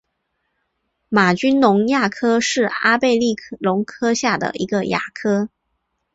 玛君龙亚科是阿贝力龙科下的一个亚科。